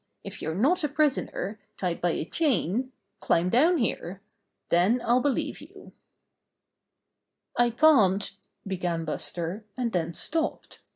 If you're not a prisoner, tied by a chain, climb down here. Then I'll believe you." "I can't —" began Buster, and then stopped.